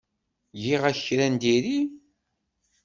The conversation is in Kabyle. Giɣ-ak kra n diri?